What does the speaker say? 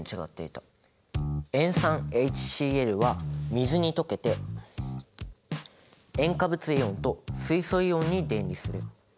塩酸ＨＣｌは水に溶けて塩化物イオンと水素イオンに電離する。